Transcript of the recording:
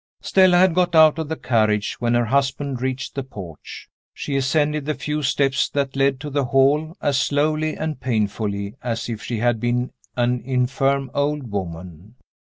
Stella had got out of the carriage when her husband reached the porch. She ascended the few steps that led to the hall as slowly and painfully as if she had been an infirm old woman.